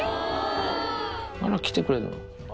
あら来てくれるの。